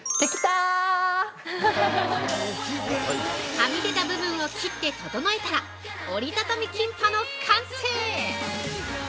◆はみ出た部分を切って整えたら折りたたみキンパの完成！